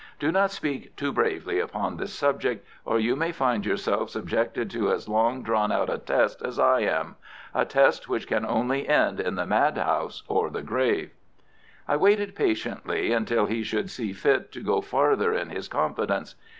Do not speak too bravely upon this subject, or you may find yourself subjected to as long drawn a test as I am—a test which can only end in the madhouse or the grave." I waited patiently until he should see fit to go farther in his confidence.